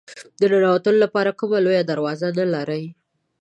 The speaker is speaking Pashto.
د ننوتلو لپاره کومه لویه دروازه نه لري.